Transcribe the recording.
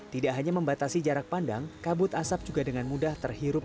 tidak hanya membatasi jarak pandang kabut asap juga dengan mudah terhirup